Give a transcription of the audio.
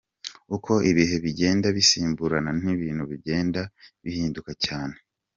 Uko ibihe bigenda bisimburana n’ibintu bigenda bihinduka cyane.